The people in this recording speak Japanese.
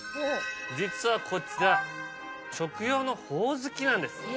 実はこちら食用のほおずきなんです。